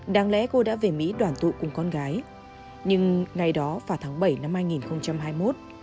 đáng lẽ cô đã về mỹ đoàn tụ cùng con gái nhưng ngày đó vào tháng bảy năm hai nghìn hai mươi một